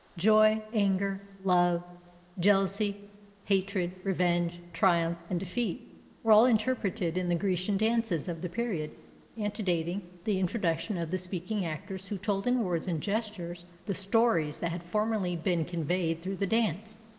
Joy, anger, love, jealousy, hatred, revenge, triumph and defeat were all interpreted in the Grecian dances of the period antedating the introduction of the speaking actors, who told in words and gestures the stories that had formerly been conveyed through the dance.